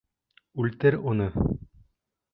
Үлтер уны!